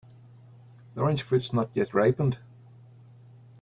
The orange fruit is not yet ripened.